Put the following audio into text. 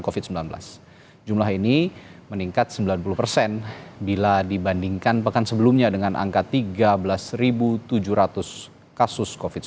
covid sembilan belas jumlah ini meningkat sembilan puluh persen bila dibandingkan pekan sebelumnya dengan angka tiga belas tujuh ratus kasus covid sembilan belas